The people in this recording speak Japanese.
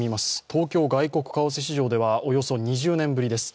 東京外国為替市場ではおよそ２０年ぶりです。